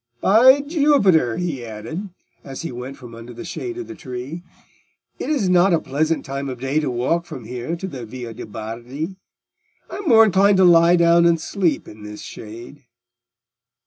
"By Jupiter!" he added, as he went from under the shade of the tree, "it is not a pleasant time of day to walk from here to the Via de' Bardi; I am more inclined to lie down and sleep in this shade."